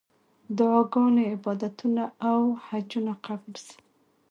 دعاګانې، عبادتونه او حجونه قبول سه.